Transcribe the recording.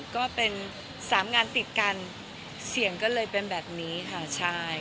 ก็เป็นสามงานติดกันเสียงก็เลยเป็นแบบนี้ค่ะใช่